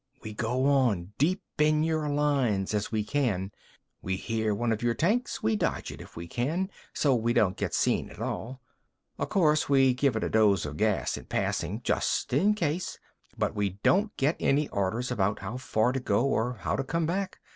We go on, deep in your lines as we can. We hear one of your tanks, we dodge it if we can, so we don't get seen at all. O'course we give it a dose of gas in passing, just in case. But we don't get any orders about how far to go or how to come back.